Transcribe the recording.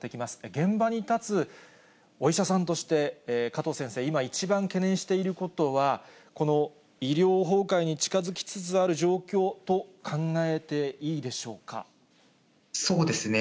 現場に立つお医者さんとして、加藤先生、今、一番懸念していることは、この医療崩壊に近づきつつある状そうですね。